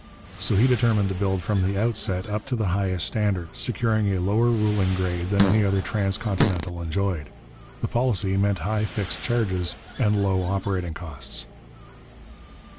So he determined to build from the outset up to the highest standard, securing a lower ruling grade than any other transcontinental enjoyed. The policy meant high fixed charges and low operating costs.